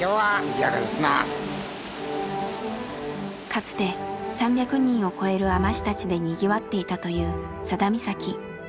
かつて３００人を超える海士たちでにぎわっていたという佐田岬。